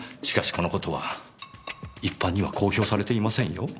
しかしこの事は一般には公表されていませんよ。